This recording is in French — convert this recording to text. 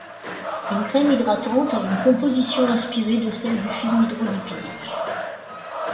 Une crème hydratante a une composition inspirée de celle du film hydrolipidique.